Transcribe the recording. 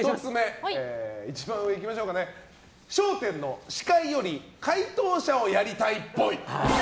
一番上、「笑点」の司会よりも回答者をやりたいっぽい。